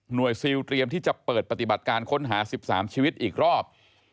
ซิลเตรียมที่จะเปิดปฏิบัติการค้นหา๑๓ชีวิตอีกรอบ